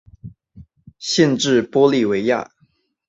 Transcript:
县治玻利维亚。